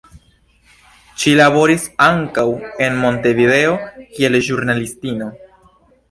Ŝi laboris ankaŭ en Montevideo kiel ĵurnalistino.